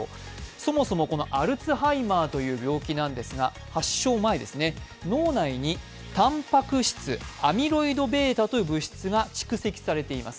そもそもこのアルツハイマーという病気なんですが、発症前ですね、脳内にたんぱく質、アミロイドβという物質が蓄積されています。